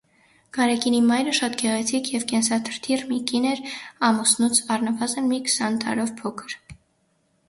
Գարեգինի մայրը շատ գեղեցիկ և կենսաթրթիռ մի կին էր, ամուսնուց առնվազն մի քսան տարով փոքր: